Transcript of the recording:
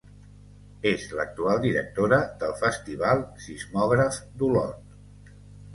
És l'actual directora del festival Sismògraf d'Olot.